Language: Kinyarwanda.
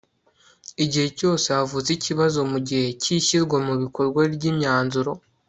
igihe cyose havutse ikibazo mu gihe cy'ishyirwa mu bikorwa ry'imyanzuro